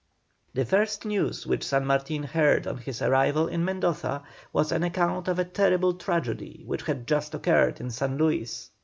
The first news which San Martin heard on his arrival in Mendoza was an account of a terrible tragedy which had just occurred in San Luis.